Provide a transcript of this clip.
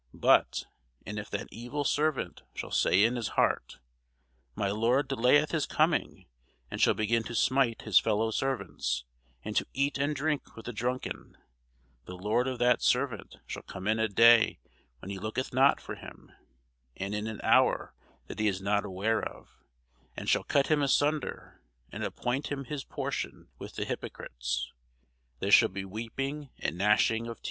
But and if that evil servant shall say in his heart, My lord delayeth his coming; and shall begin to smite his fellowservants, and to eat and drink with the drunken; the lord of that servant shall come in a day when he looketh not for him, and in an hour that he is not aware of, and shall cut him asunder, and appoint him his portion with the hypocrites: there shall be weeping and gnashing of teeth.